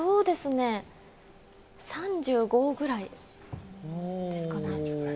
３５くらいですかね。